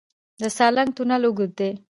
د سالنګ تونل اوږد دی